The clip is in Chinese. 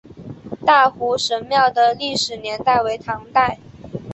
大湖神庙的历史年代为唐代。